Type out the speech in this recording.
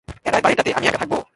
এই বাড়িটাতে আমি একা থাকব।